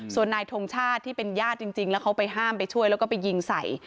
ส่วนนายทงชาติที่เป็นญาติจริงแล้วเขาไปห้ามไปช่วยแล้วก็ไปยิงใส่